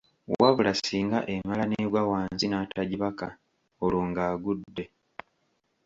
Wabula singa emala n’egwa wansi n’atagibaka, olwo ng’agudde.